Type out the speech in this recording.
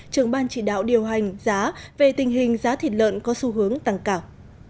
trưởng ban chỉ đạo điều hành giá về tình hình giá thịt lợn có xu hướng tăng cảo